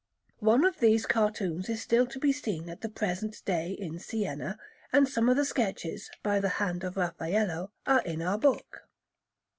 One of these cartoons is still to be seen at the present day in Siena, and some of the sketches, by the hand of Raffaello, are in our book.